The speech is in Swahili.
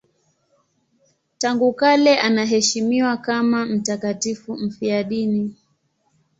Tangu kale anaheshimiwa kama mtakatifu mfiadini.